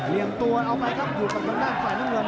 เรียงตัวเอาไว้ครับถูกกับด้านฝ่ายเมือง